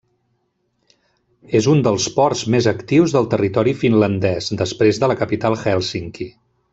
És un dels ports més actius del territori finlandès, després de la capital Hèlsinki.